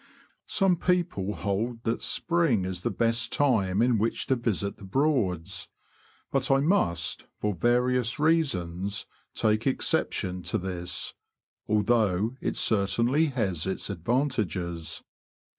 \*^^l ^^E people hold that spring is the best time ^''^^^ in which to visit the Broads ; but I must^ jj^^^ for various reasons, take exception to this — although it certainly has its advantages.